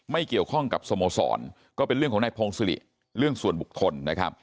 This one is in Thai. เกี่ยวข้องกับสโมสรก็เป็นเรื่องของนายพงศิริเรื่องส่วนบุคคลนะครับ